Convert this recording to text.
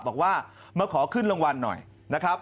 บอกว่ามาขอขึ้นรางวัลหน่อยนะครับ